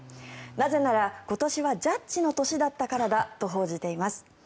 なぜなら今年はジャッジの年だったからだと報じています。